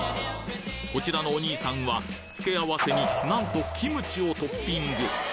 こちらのお兄さんはつけ合わせになんとキムチをトッピング！